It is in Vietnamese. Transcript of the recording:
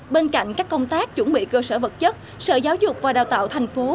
bên cạnh các công tác chuẩn bị cơ sở vật chất sở giáo dục và đào tạo thành phố